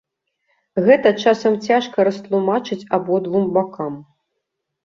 Гэта часам цяжка растлумачыць абодвум бакам.